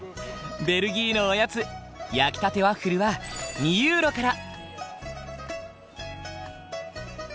ベルギーのおやつ焼きたてワッフルは２ユーロから。